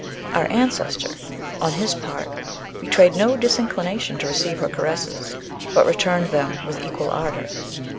Our ancestor, on his part, betrayed no disinclination to receive her caresses, but returned them with equal ardour.